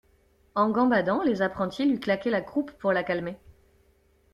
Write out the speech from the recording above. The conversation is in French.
En gambadant, les apprentis lui claquaient la croupe pour la calmer.